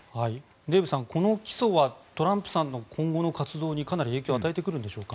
デーブさん、この起訴はトランプさんの今後の活動にかなり影響を与えてくるんですかね。